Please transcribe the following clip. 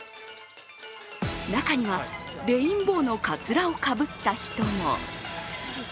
中には、レインボーのかつらをかぶった人も。